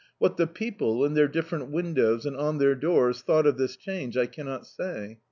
What the people, in their different win dows, and on their doors, thou^t of this change, I cannot say.